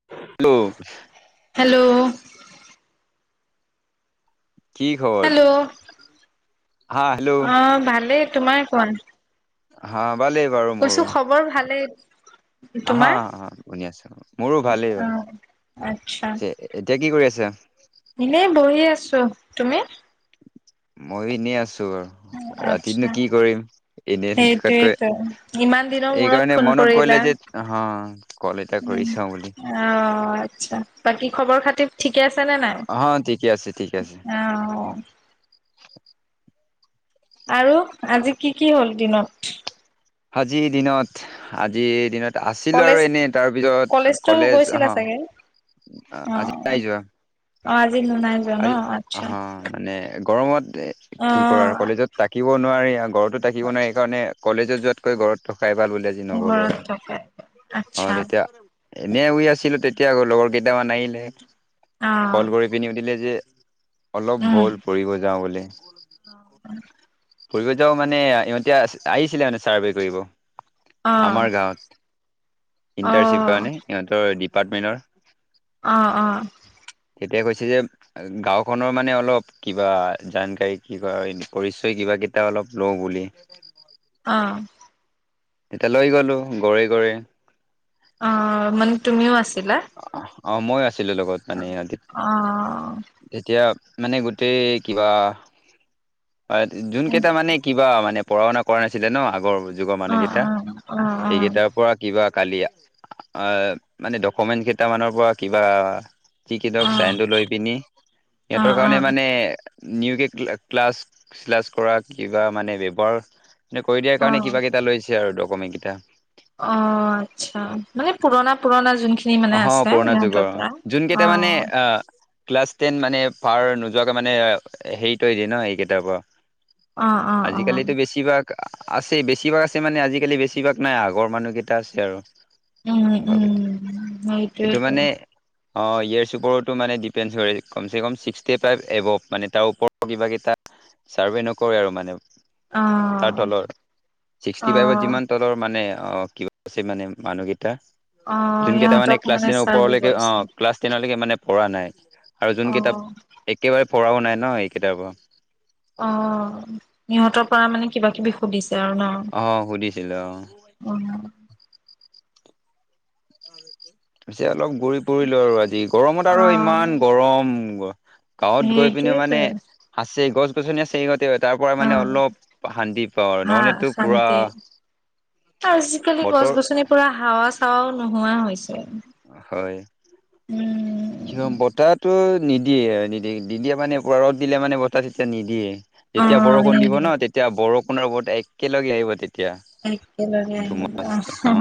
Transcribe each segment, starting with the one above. [inaudible] Hello, hello, কি খবৰ hello, হা হেল্ল' অ, ভালেই তোমাৰ কোৱা। হ, ভালেই বাৰু মোৰো। খবৰ ভালেই। আহা, তোমাৰ আহা শুনি আছো, মোৰো ভালেই, অ বাৰু আচ্ছা পিছে এতিয়া কি কৰি আছা? এনেই বহি আছো, তুমি? মই এনেই আছো, আচ্ছা ৰাতিনো কি কৰিম? এনে থকাতকৈ, সেইটোয়েতো ইমান দিনৰ মূৰত এইকাৰণে ফোন মনত কৰিলা পৰিলে যে হ কল, এটা উম কৰি চাওঁ বুলি। অ, আচ্ছা বাকী খবৰ খাতি? ঠিকে আছে নে নাই, অ ঠিকে আছে ঠিকে আছে অ, আৰু আজি কি কি হ'ল দিনত? আজিৰ দিনত, আজিৰ দিনত আছিলো আৰু কলেজ এনেই তাৰপিছত কলেজতো কলেজ গৈছিলা অ, চাগে অ আজি নাই যোৱা? অ, আজি নাই। যোৱা ন আজি আচ্ছা বা মানে গৰমত কি কৰা আৰু অ কলেজত থাকিব নোৱাৰি আৰু ঘৰতো থাকিব নোৱাৰি, সেইকাৰণে কলেজত যোৱাতকৈ ঘৰত থকাই ভাল বুলি নগ'লো ঘৰত আৰু থাকে অ, আচ্ছা তেতিয়া এনে শুই আছিলো, তেতিয়া আকৌ লগৰ কেইটামান আহিলে অ ক'ল কৰি পিনি সুধিলে। যে, অলপ উম বল ফুৰিব যাওঁ বুলি। ফুৰিব যাও মানে ইহঁতি আ, আহিছিলে মানে ছাৰ্ভে কৰিব। অ আমাৰ গাঁৱত অ ইন্টাৰশ্বিপ কাৰণে, ইহঁতৰ ডিপাৰ্টমেন্টৰ অ, অ, তেতিয়া কৈছে যে, গাওঁখনৰ মানে অলপ কিবা জানকাৰী, কি‌বা পৰিচয় কিবা কেইটা অলপ লওঁ বুলি। অ। এতিয়া লৈ গ'লোঁ, ঘৰে-ঘৰে। অ, মানে তুমিও আছিলা! অ, মই আছিলো লগত মানে। [unintelligible] অ এতিয়া মানে গোটেই কিবা, এহ অ যোনকেইটা মানে কি কিবা মানে পঢ়া-শুনা কৰা নাছিলে ন আগৰ যুগৰ অ অ অ মানুহকেইটা অ এইকেইটাৰ পৰা কিবা কালি আহ মানে ড কমেণ্ট কেইটামানৰ পৰা কিবা অ [unintelligible] চাইনটো লৈ পিনি, অ অ সিহঁতৰ কাৰণে মানে নিউকে ক্লাছ-শ্লাছ কৰা, কিবা মানে [unintelligible] এই কৰি দিয়াৰ অ কাৰণে কিবাকেইটা লৈছে আৰু ডকুমেণ্টকেইটা। অ, আচ্ছা। মানে পুৰণা-পুৰণা যোনখিনি মানে হ, আছে পুৰণা ইহঁতৰ যুগৰ, পৰা যোন অ কেইটা মানে আহ ক্লাছ টেন মানে পাৰ নোযোৱাকে মানে হেৰি তৰি দিয়ে ন এইকেইটাৰ পৰা। অ অ অ আজিকালিটো বেছি ভাগ আছেই, বেছিভাগ আছে মানে আজিকালি বেছিভাগ নাই, আগৰ মানুহ কেইটা আছে আৰু। উম, উম, ভাগকেইটা উম। এইটো মানে অঁ, ইয়েৰ্ছ ওপৰতো মানে ডিপেণ্ড হয়, কমচে কম ছিক্সটি ফাইভ এবভ, মানে তাৰ ওপৰত কিবাকেইটা ছাৰ্ভে নকৰে আৰু মানে। অ তাৰ তলৰ, অ ছিক্সটি ফাইভত যিমান তলৰ মানে অ, ক ছে মানে মানুহকেইটা অ'। তাৰমানে ইহঁতক ক্লাছ মানে টেনৰ চাৰ্ভে ওপৰলৈকে, কৰিছে অ', ক্লাছ টেনলৈকে মানে পঢ়া নাই, আৰু যোন কেইটা অ একেবাৰে পঢ়াও নাই ন, এইকেইটাৰ পৰা। অ', সিহঁতৰ পৰা মানে কিবা-কিবি সুধিছে আৰু ন? অ', সুধিছিলে অ'। [unintelligible] পিছে অলপ ঘূৰি-ফুৰিলো আৰু আজি, গৰমত অ আৰু ইমান গৰম গাঁৱত গৈ পিনি সেইটোৱেতো মানে আছে গছ-গছনি আছে তাৰ পৰা অ মানে অলপ শান্তি পাওঁ আৰু, হা নহ'লেতো পূৰা শান্তি আজিকালি গছ-গছনি পূৰা হাৱা-চাৱাও নোহোৱা হৈছে। হয়। উম। কিয় বতাহটো নিদিয়ে-নিদিয়ে, নিদিয়ে মানে ৰ'দ দিলে মানে বতাহ তেতিয়া নিদিয়ে। অ যেতিয়া বৰষুণ দিব ন, তেতিয়া বৰষুণৰ লগত একেলগে আহিব তেতিয়া। একে লগে আহিব। ধুমুহা চিষ্টেম অ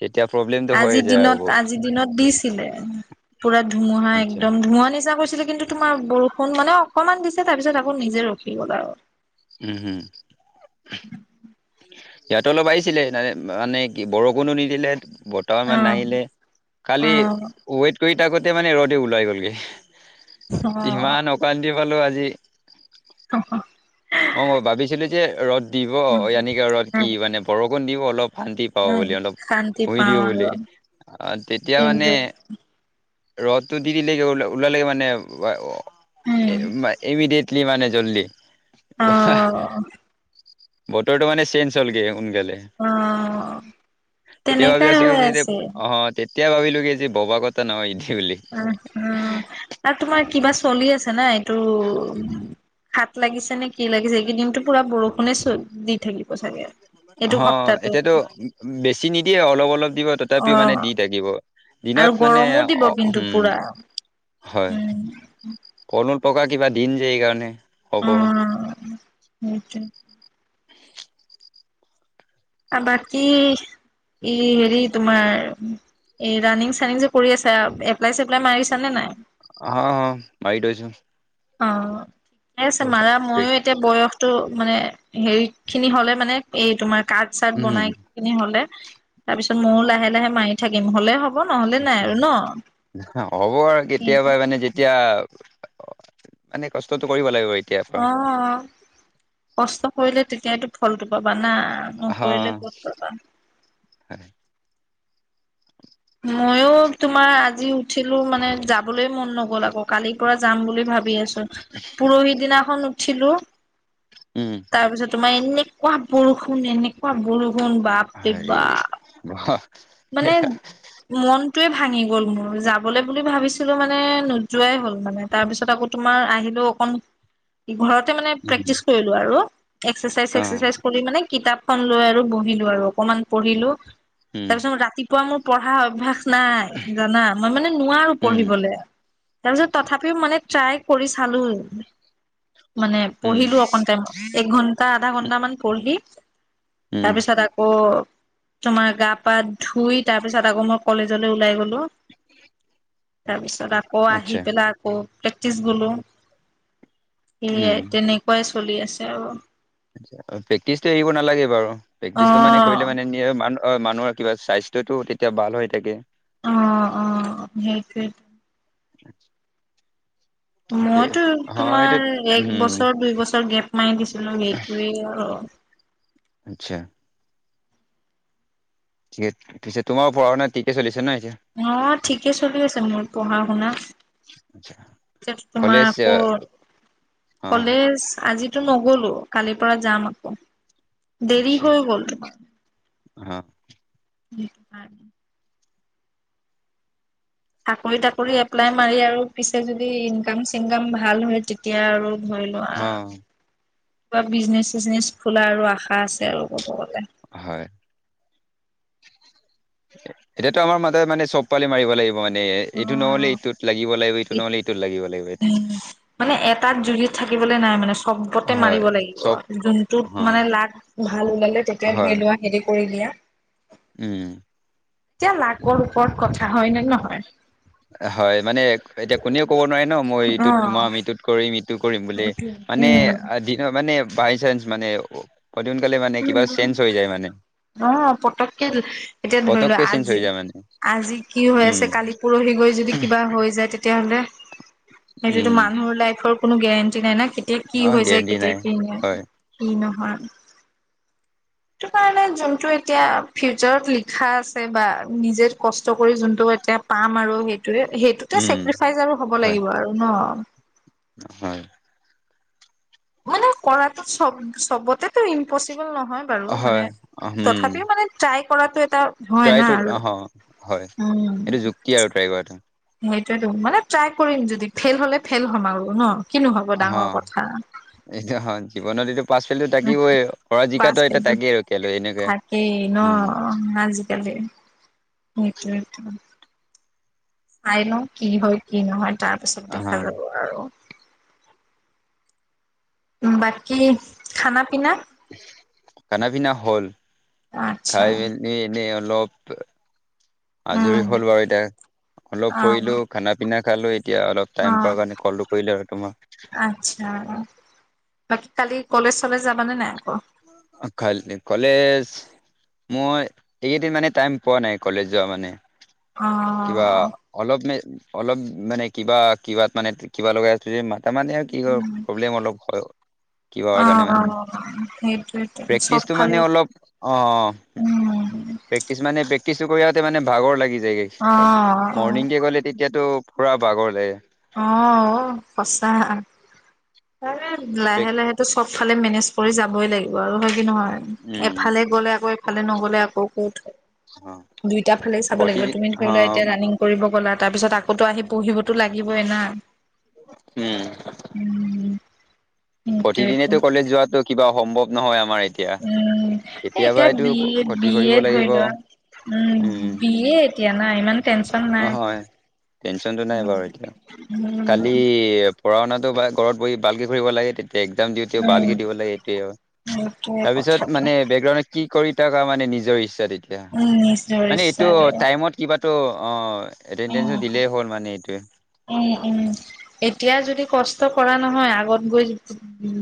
তেতিয়া প্ৰব্লেমটো হৈ আজিৰ যায় আৰু দিনত, বহুত আজি দিনত দিছিলে। পুৰা ধুমুহা আচ্ছা একদম, ধুমুহা নিচিনা কৰিছিলে, কিন্তু তোমাৰ বৰষুণ মানে অকনমান দিছে, তাৰ পিছত আকৌ নিজে ৰখি গ'ল আৰু। উম, হুম। ইয়াতো অলপ আহিছিলে, মানে কি বৰষুণো নিদিলে, ব বতাহো ইমান নাহিলে, কালি ৱেইট কৰি থাকোঁতে মানে ৰ'দে ওলাই গ'লগৈ, অ ইমান অশান্তি পালোঁ আজি। অ, অ। অ' মই ভাবিছিলো যে ৰ'দ দিব এনেকে ৰ'দ অ অ কি মানে বৰষুণ দিব অলপ শান্তি অলপ উম, বুলি অলপ। শান্তি শুই পাওঁ দিব আৰু বুলি, আহ তেতিয়া মানে কিন্তু ৰ'দটো দি দিলে ওল ওলালে মানে উম, ইমিডিয়েট। কি মানে জল্দি‌? অ', বতৰটো মানে চেঞ্জ হ'লগে সোনকালে। অ', তেতিয়া ভাবি তেনেকাই আছো কি হৈ যে এতিয়া আছে। অ' তেতিয়া ভাবিলোঁ যে ভবা কথা নহয় সেইটো বুলি। উম উম। আৰু তোমাৰ কিবা চলি আছে ন এইটো হাট লাগিছে নে কি? কি লাগিছে কি এই কেইদিনটো পুৰা বৰষুণে দি থাকিব চাগে।, এইটো সপ্তাহটো। বেচি নিদিয়ে অলপ অলপ দি থাকিব, তথাপিও মানে অ', দি থাকিব। আৰু দিনত মানে গৰমো দিব অ' কিন্তু উম পুৰা। হয়। উম, কণ প্ৰকা কিবা দিন যাই সেই কাৰণে হ'ব। উম‌ সেইটো। আৰু বাকী ই হেৰি তোমাৰ এই ৰানিং চানিংযে কৰি আছে এপ্লাই চেপ্লাই মাৰিছানে নাই। অ অ বাইট আছো। ঠিকে আছে মাৰা এতিয়া বয়স তটো মানে হেৰি খিনি হলে মানে এই তোমাৰ কাড চাড উম বনাই। কিনে হলে তাৰপিছত ময়ো লাহে লাহে মাৰি থাকিম হ'লে হব। নহ'লে নাই আচ্ছা আৰু ন। হ'ব আৰু কেতিয়াবা মানে যেতিয়া অ মানে কষ্টতো কৰিব লাগিব। এতিয়াৰ পৰা অ কষ্ট কৰিলে তেতিয়ো ফলটো পাবা না। নকৰিলে ক'ত পাবা। হয়। ময়ো তোমাৰ আজি উঠিলো মানে যাবলৈ মন নগ'ল আকৌ কালিৰ পৰা যাম বুলি ভাবি আছো পৰহি দিনাখন উঠিলো। উম। তাৰপিছত তোমাৰ এনেকুৱা বৰষুণ এনেকুৱা বৰষুণ বাপৰে। হৰি বাপ বহা। মানে মনটোৱে ভাঙি গ'ল মোৰ যাবলৈ বুলি ভাবিছিলো মানে নোযোৱাই হ'ল মানে। তাৰ পিছত আকৌ তোমাৰ আহিলেও অকণ [unintelligible] ঘৰতে মানে উম প্ৰেক্টিচ কৰিলো আৰু এক্সাৰচাইজ অ চেক্সাচাইজ। খুলি মানে কিতাপ খন লৈ আৰু বহিলো আৰু অকমান পঢ়িলোঁ। উম তাৰ পিছত মই ৰাতিপুৱা পঢ়া অভ্যাসক নাই জানা মই মানে নোৱাৰো উম পঢ়িবলৈ তাৰপিছত তথাপিও মানে ট্ৰাই কৰি চালো মানে উম পঢ়িলো অকন টাইমত। এক ঘন্টা আধা ঘন্টামান পঢ়ি উম তাৰপিছত আকৌ তোমাৰ গা ধুই তাৰ পিছত আকৌ মই কলেজলৈ ওলাই গলোঁ। আকৌ আহি আচ্ছা পেলাই আকৌ প্ৰেক্টিচ গলো সেয়াই উম তেনে তেনেকুৱা চলি আছে আৰু। প্ৰেক্টিছ টো এৰিব নালাগে বাৰু অ প্ৰেক্টিচটো মানে কৰিলে মানো, মানুহৰ কিবা স্বাস্থ্যটো তেতিয়া ভাল হৈ থাকে। অ, অ, সেইটোৱেই। মইতো হয় এইটো তোমাৰ এক উম বছৰ দুই বছৰ, গ্ৰেপ মাৰি দিছিলো, সেইটোয়ে আৰু। আচ্ছা। ঠিকে-ঠিকছে তোমাৰ পঢ়-শুনা ঠিকে চলিছে ন, এতিয়া। অ, ঠিকে চলি আছে, মোৰ পঢ়া-শুনা। আচ্ছা। কলেজ তোমাৰ ক'ত, অ কলেজ আজি টো, নগলো কালিৰ পৰা যাম আকৌ, দেৰি আচ্ছা হৈ গ'ল তোমাৰ। অ, [inaudible] চাকৰি-তাকৰি এপ্লাই মাৰি আৰু পিছে যদি ইনকাম চিনকাম ভাল হয়, তেতিয়া আৰু ধৰি লোৱা অ, কিবা বিজনেচ-চিজনেছ খোলা আৰু আশা আছে আৰু ক'ব গ'লে। হয়। এতিয়াতো আমাৰ মাতে মানে চব পালি মাৰিব লাগিব মানে, এইটো নহ'লে অ', এইটোত লাগিব, লাগিব ইটো নহ'লে ইটোত লাগিব লাগিব [inaudible] উম, মানে এটাত জোযি থাকিবলৈ নাই, মানে চব্বতে হয় মাৰিব লাগিব, চব যোনটোত অ মানে লাগ ভাল ওলালে তেতিয়া হয় ধৰি লোৱা হেৰি কৰি দিয়া। উম, এতিয়া লাকৰ, ওপৰত কথা হয় নে, নহয়? হয়, মানে এতিয়া কোনেও ক'ব নোৱাৰে ন, মই এইটোত অ', তোমাৰ আমি এইটোত কৰিম এইটো কৰিম বুলি, মানে উম, দিন মানে বাইচান্স মানে অতিসোনকালে মানে, কিবা চেঞ্জ হৈ যায় মানে। অ, পটককে, এতিয়া ধৰি লোৱা পতককে চেঞ্জ আজি, হৈ যায় মানে আজি কি হৈ উম আছে কালি পৰহি গৈ যদি কিবা হৈ যায় তেতিয়াহ'লে, উম সেইটোতো মানুহৰ লাইফৰ কোনো গেৰেণ্টি নাই না, কেতিয়া কি অ হৈ যায়, গেৰেণ্টি কেতিয়া নাই কি হয় নহয় কি নহয়। টো, কাৰণে যোনটো এতিয়া ফিউচাৰত লিখা আছে বা নিজে কষ্ট কৰি যোনটো এতিয়া পাম আৰু সেইটোৰে সেইটোতে উম চেক্ৰিফাইচ আৰু হ'ব হয় লাগিব আৰু ন? হয়। মানে কৰাটো চ'ব চ'বতেতো ইমপচিবল নহয় বাৰু, হয় মানে উম তথাপি মানে ট্ৰাই কৰাটো এটা হয় না ট্ৰাইটো আৰু উম, কি আৰু ট্ৰাই কৰাটো? সেইটোয়েতো, মানে ট্ৰাই কৰিম, যদি ফেইল হ'লে ফেইল হ'ম আৰু ন, কিনো হ'ব অ ডাঙৰ কথা। এইটো হয়। জীৱনত এইটো পাছ, ফেলটো থাকিবই, হৰা বাছ জিকাটো এটা সেইটো তাকেই আৰু কেলৈ এনেকে, উম, উম, আজিকালি। উম, উম, উম, চাই লওঁ, কি হয় কি নহয় তাৰপিছত অ দেখা যাব আৰু। বাকী, খানা পিনা? খানা পিনা হ'ল, আচ্ছা খাই মেল এই, এনেই অলপ আজৰি উম হ'ল বাৰু এতিয়া। অলপ অ ফুৰিলো, খানা-পিনা খালোঁ, এতিয়া অলপ অ টাইম পোৱা কাৰণে, কলটো কৰিলোঁ আৰু তোমাক। আচ্ছা, বাকী কালি কলেজ চলেজ যাবানে নাই আকৌ? কাইলে কলেজ মই এইকেইদিন মানে টাইম পোৱা নাই কলেজ যোৱা মানে, অ কিবা অলপ মে-অলপ মানে কিবা-কিবাত মানে কিবা লগাই আছোঁ যে, মাতা মানে কি হয়, উম, প্ৰব্লেম অলপ হয় কিবা কাৰণে মানে। সেইটোৱেই। প্ৰেক্টিচটো মানে অলপ, অ', অ', অ'। উম প্ৰেক্টিচ মানে প্ৰেক্টিচটো কৰি আহোঁতে মানে ভাগৰ লাগি যায়গে অ [unintelligible] মৰ্ণিঙকে গ'লে তেতিয়াতো পুৰা বাগৰ লাগে। অ, অ', সঁচা, মানে লাহে-লাহেতো চব ইফালে মেনেজ কৰি যাবই লাগিব, আৰু হয় কি নহয়? উম এফালে গ'লে আকৌ ফালে নগ'লে আকৌ ক'থ, অ দুইটা ফালে চাব লাগিব, প্ৰতিদিন তুমি ধৰি অ লোৱা এতিয়া ৰানিং কৰিব গ'লা, তাৰপিছত আকৌ টো আহি পঢ়িবতো লাগিবই না! উম। [inaudible] সেইটোৱেটো প্ৰতিদিনেতো কলেজ যোৱাটো কিবা সম্ভৱ নহয় আমাৰ এতিয়া উম, কেতিয়াবা এতিয়া এইটো বি এড, ক্ষতি বি কৰিব এড ধৰি লাগিব লোৱা উম, বি এ এতিয়া না, ইমান টেনচন অ, নাই হয়, টেনচনটো নাই বাৰু এতিয়া। উম কালি পঢ়া-শুনাটো বা ঘৰত ভালকে কৰিব লাগে তেতিয়া। একজাম দিওঁতে উম ভালকে দিব লাগে, এইটোয়ে আৰু, সেইটোৱে তাৰ পিছত কথাটো মানে বেকগ্ৰাউ কি কৰি থকা মানে নিজৰ ইচ্ছা তেতিয়া, উম নিজৰ মানে এইটো ইচ্ছাৰে টাইমত কিবাতো অ, এটেনডেঞ্চো উম দিলেই হ'ল মানে এইটোৱে। উম, উম, এতিয়া যদি কষ্ট কৰা নহয়, আগত গৈ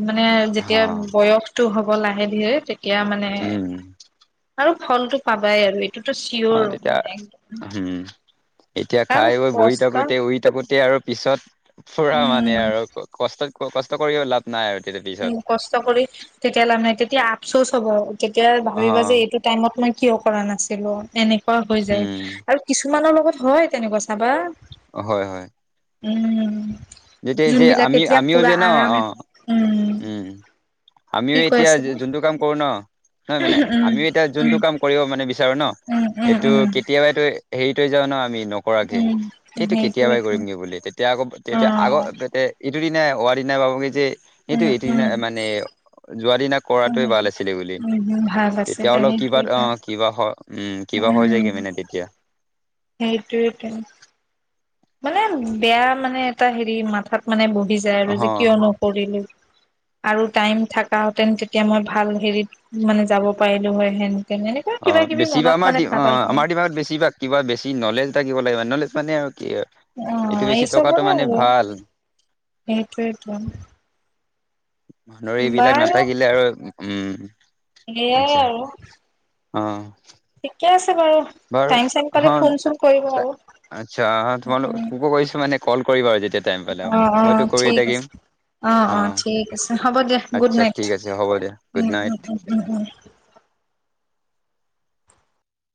মানে অ যেতিয়া বয়সতটো হ'ব লাহে-ধীৰে তেতিয়া মানে উম আৰু ফল টো পাবাই আৰু। এইটোতো অ, চিয়ৰ তেতিয়া মানে একদম হম। এতিয়া কাৰণ খাই-বৈ বহি কষ্ট থাকোতে, শুই থাকোতে আৰু পিছত ফুৰা মানে উম আৰু। কষ্ট, কষ্ট কৰিও লাভ নাই আৰু [unintelligible] উম, কষ্ট কৰি তেতিয়া লাভ নাই, তেতিয়া আফচোচ হ'ব, তেতিয়া অ ভাবিবা যে এইটো টাইমত মই কিয় কৰা নাছিলো, এনেকুৱা হৈ যায়, উম আৰু কিছুমানৰ লগত হয় তেনেকুৱা চাবা। হয়, হয়। উম। যেতিয়া যে যোনবিলাক আমি, এতিয়া আমিও পুৰা যে ন আৰাম অ। উম, আমিও কি কৈ এতিয়া আছিলা যোনটো কাম কৰো ন নহয় মানে, উম আমিও এতিয়া যোনটো উম কাম কৰিব মানে বিচাৰো ন, উম উম এইটো উম কেতিয়াবাই ত, হেৰি [unintelligible] পৰাকে, উম এইটো কেতিয়াবাই সেইটোৱেতো কৰিমগে বুলি, তেতিয়া আকৌ, অ তেতিয়া আগত তেই এইটো দিনা, হোৱাৰ দিনা পাবগৈ, যে সেইটো উম এইটো দিনা উম মানে যোৱাৰ দিনা কৰাটোৱে ভাল উম আছিলে বুলি, উম ভাল তেতিয়া আছিলে অলপ কিবা অ, সেইটোৱেতো কিবা হয় উম, কিবা হয় যায়গে মানে তেতিয়া। সেইটোৱেইটো। মানে, বেয়া মানে এটা হেৰি মাথাত মানে বহি যায় অ আৰু, যে কিয় নকৰিলো। আৰু টাইম থাক হতেন, তেতিয়া মই ভাল হেৰিত মানে যাব পাৰিলোঁ হয় হেন অ বেছিভাগ আমাৰ অ থাকে আমাৰ দিমাগ বেছিভাগ কিবা বেছি নলেজ থাকিব লাগিব নলেজ মানে আৰু কি অ এইটো এই বেছি চব টকাটো হয় মানে ভাল সেইটোৱেটো গাড়ী বিলাক বাৰু নাথাকিলে আৰু উম সেয়াই আচ্ছা আৰু অ ঠিকে আছে বাৰু বাৰু টাইম চাইম হ পালে ফোন চোন কৰিব আৰু আচ্ছা তোমালোক তোকো কৈছো মানে কল কৰিবা আৰু যেতিয়া টাইম পালে অ', অ', মইতো কৰিয়ে ঠিক আছে। থাকিম অ অ ঠিক আছে হ'ব দিয়া গুড আচ্ছা নাইট ঠিক আছে হ'ব দিয়া গুড নাইট উ